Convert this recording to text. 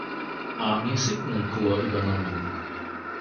Army Signal Corps übernommen.